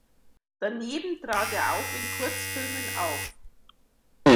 Daneben trat er auch in Kurzfilmen auf.